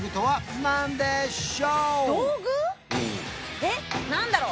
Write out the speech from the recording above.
えっ何だろう？